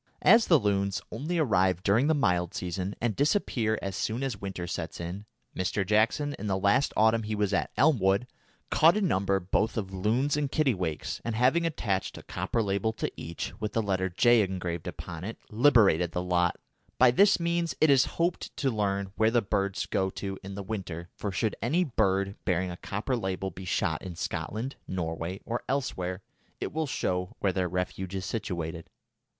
As the loons only arrive during the mild season and disappear as soon as winter sets in, Mr. Jackson, in the last autumn he was at Elmwood, caught a number both of loons and kittiwakes, and having attached a copper label to each, with the letter J. engraved upon it, liberated the lot. By this means it is hoped to learn where the birds go to in the winter, for should any bird bearing a copper label be shot in Scotland, Norway, or elsewhere, it will show where their refuge is situated.